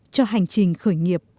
cho hành trình khởi nghiệp